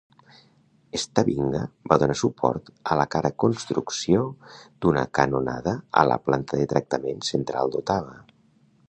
Stavinga va donar suport a la cara construcció d'una canonada a la planta de tractament central d'Ottawa.